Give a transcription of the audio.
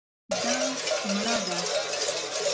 دا مړه ده